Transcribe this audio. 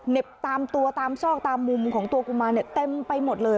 ตามตัวตามซอกตามมุมของตัวกุมารเนี่ยเต็มไปหมดเลย